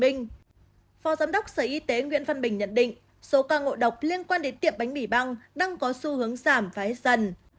phó giám đốc sở y tế nguyễn văn bình nhận định số ca ngộ độc liên quan đến tiệm bánh mì băng đang có xu hướng giảm vái dần